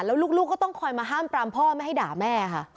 แล้วลูกก็ต้องคอยมาห้ามปรามพ่อไม่ให้ด่าแม่ค่ะ